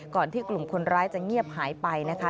ก่อนที่กลุ่มคนร้ายจะเงียบหายไปนะคะ